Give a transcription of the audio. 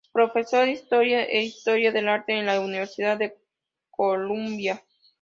Profesor de historia e historia del arte en la Universidad de Columbia.